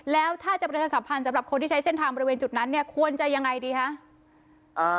แล้วถ้าจะเป็นสะพานสำหรับคนที่ใช้เส้นทางบริเวณจุดนั้นควรจะยังไงดีคะ